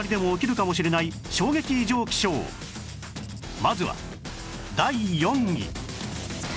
まずは第４位